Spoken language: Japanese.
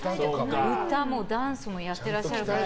歌もダンスもやっていらっしゃるから。